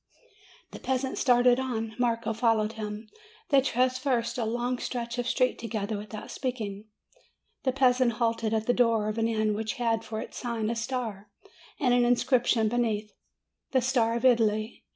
The peasant started on; Marco followed him. They traversed a long stretch of street together with out speaking. The peasant halted at the door of an inn which had for its sign a star, and an inscription beneath, The Star of Italy.